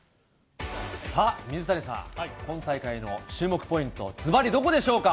さあ、水谷さん、今大会の注目ポイント、ずばり、どこでしょうか。